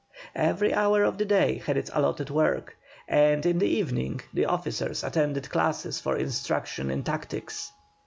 Every hour of the day had its allotted work, and in the evening the officers attended classes for instruction in tactics.